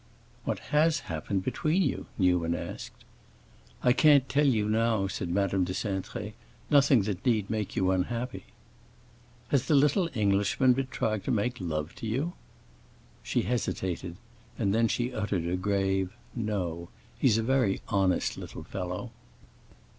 "What has happened between you?" Newman asked. "I can't tell you—now," said Madame de Cintré. "Nothing that need make you unhappy." "Has the little Englishman been trying to make love to you?" She hesitated, and then she uttered a grave "No! he's a very honest little fellow."